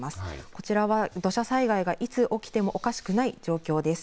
こちらは土砂災害がいつ起きてもおかしくない状況です。